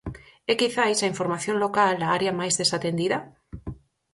É quizais a información local a área máis desatendida?